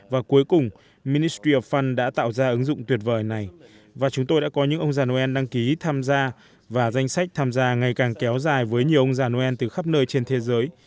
và cuối cùng ministry of fund đã tạo ra ứng dụng tuyệt vời này và chúng tôi đã có những ông già noel đăng ký tham gia và danh sách tham gia ngày càng kéo dài với nhiều ông già noel từ khắp nơi trên thế giới